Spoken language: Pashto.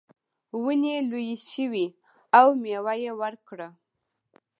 ونې لویې شوې او میوه یې ورکړه.